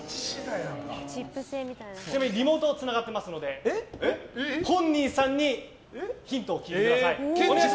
ちなみにリモートがつながってますので本人さんにヒントを聞いてください。